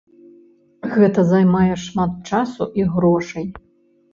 Гэта займае шмат часу і грошай.